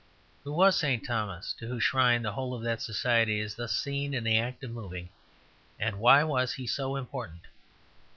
Who was St. Thomas, to whose shrine the whole of that society is thus seen in the act of moving; and why was he so important?